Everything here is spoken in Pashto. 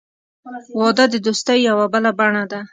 • واده د دوستۍ یوه بله بڼه ده.